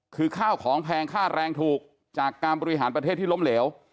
คือข้าวของแพงค่าแรงถูกจากการบริหารประเทศที่ล้มเหลว